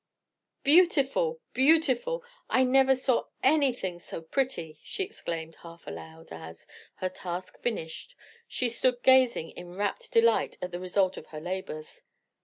"Beautiful! beautiful! I never saw anything so pretty!" she exclaimed half aloud, as, her task finished, she stood gazing in rapt delight at the result of her labors.